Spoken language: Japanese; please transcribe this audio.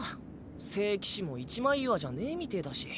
聖騎士も一枚岩じゃねぇみてぇだし。